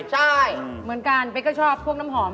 ใช่เหมือนกันเป๊กก็ชอบพวกน้ำหอม